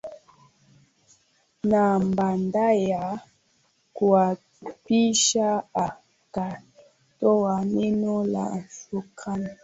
na baadaya kuapishwa akatoa neno la shukrani